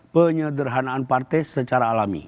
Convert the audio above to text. penyederhanaan partai secara alami